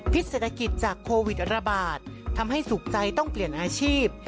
เศรษฐกิจจากโควิดระบาดทำให้สุขใจต้องเปลี่ยนอาชีพ